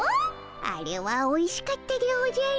あれはおいしかったでおじゃる。